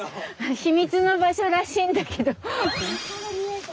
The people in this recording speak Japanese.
秘密の場所らしいんだけど。